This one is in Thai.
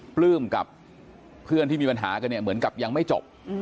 ปลื้มกับเพื่อนที่มีปัญหากันเนี่ยเหมือนกับยังไม่จบ